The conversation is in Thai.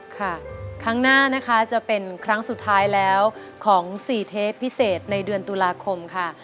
ครั้งหน้านะคะจะเป็นครั้งสุดท้ายแล้วของ๔เทปพิเศษในเดือนตุลาคมค่ะ